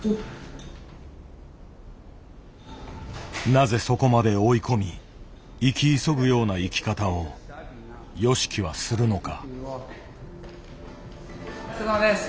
なぜそこまで追い込み生き急ぐような生き方をＹＯＳＨＩＫＩはするのか。